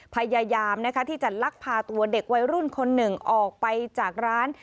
พยายามที่จะลักพาตัวเด็กวัยรุ่นคนหนึ่งออกไปจากร้าน